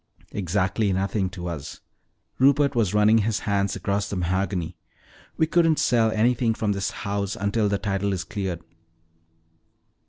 "Exactly nothing to us." Rupert was running his hands across the mahogany. "We couldn't sell anything from this house until the title is cleared."